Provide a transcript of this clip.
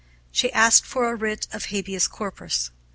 She asked for a writ of habeas corpus.